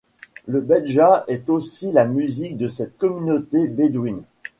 Le bedja est aussi la musique de cette communauté bédouine.